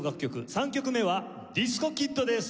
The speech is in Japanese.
３曲目は『ディスコ・キッド』です。